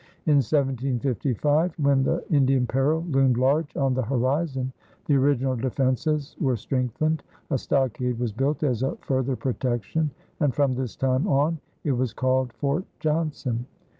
In 1755, when the Indian peril loomed large on the horizon, the original defenses were strengthened, a stockade was built as a further protection, and from this time on it was called Fort Johnson.